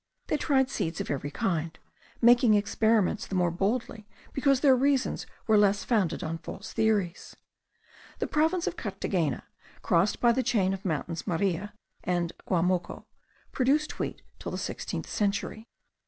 They tried seeds of every kind, making experiments the more boldly because their reasonings were less founded on false theories. The province of Carthagena, crossed by the chain of the mountains Maria and Guamoco, produced wheat till the sixteenth century.